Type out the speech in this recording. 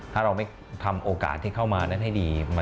ถ้าเราไม่ทำโอกาสที่เข้ามานั้นให้ดี